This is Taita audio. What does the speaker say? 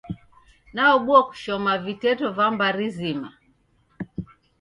Nadaobua kushoma viteto va mbari zima.